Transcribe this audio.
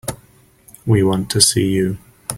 We want to see you.